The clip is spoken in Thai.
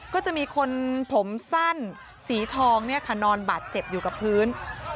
ก็จะมีคนผมสั้นสีทองเนี่ยค่ะนอนบาดเจ็บอยู่กับพื้น